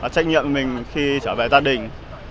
của mình khi trở về gia đình